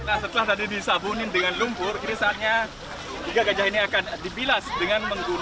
nah setelah tadi disabunin dengan lumpur ini saatnya tiga gajah ini akan dibilas dengan menggunakan